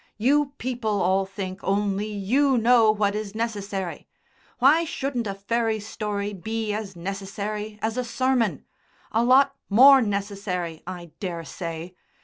You people all think only you know what is necessary. Why shouldn't a fairy story be as necessary as a sermon? A lot more necessary, I dare say.